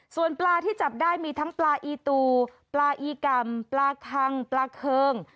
ส่วนปลาที่จับได้มีทั้งปลาอีตูปลาอีกำปลาคังปลาเคิง